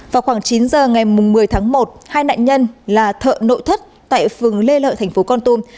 vào khoảng chín h ngày một mươi tháng một hai nạn nhân là thợ nội thất tại phường lê lợi tp con tung